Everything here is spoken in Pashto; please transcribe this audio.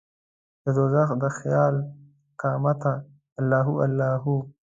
ددوږخ د خیال قیامته الله هو، الله هو